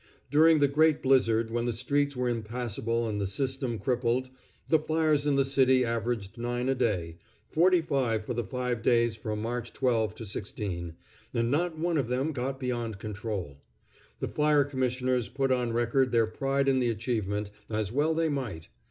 During the great blizzard, when the streets were impassable and the system crippled, the fires in the city averaged nine a day, forty five for the five days from March 12 to 16, and not one of them got beyond control. The fire commissioners put on record their pride in the achievement, as well they might.